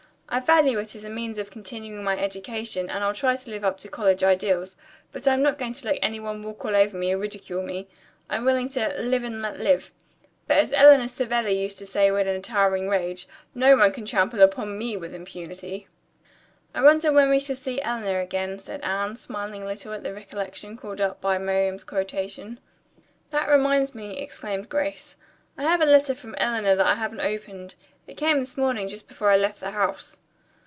I value it as a means of continuing my education, and I'll try to live up to college ideals, but I'm not going to let anyone walk over me or ridicule me. I'm willing 'to live and let live,' but, as Eleanor Savelli used to say when in a towering rage, 'no one can trample upon me with impunity.'" "I wonder when we shall see Eleanor again," said Anne, smiling a little at the recollection called up by Miriam's quotation. "That reminds me," exclaimed Grace. "I have a letter from Eleanor that I haven't opened. It came this morning just before I left the house."